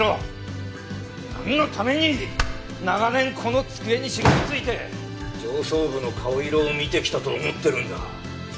なんのために長年この机にしがみついて上層部の顔色を見てきたと思ってるんだ？